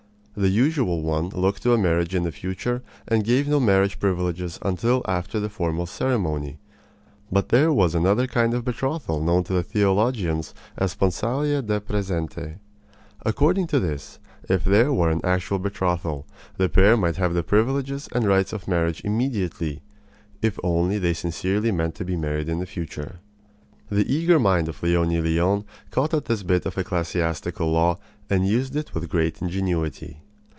The usual one looked to a marriage in the future and gave no marriage privileges until after the formal ceremony. But there was another kind of betrothal known to the theologians as sponsalia de praesente. According to this, if there were an actual betrothal, the pair might have the privileges and rights of marriage immediately, if only they sincerely meant to be married in the future. The eager mind of Leonie Leon caught at this bit of ecclesiastical law and used it with great ingenuity.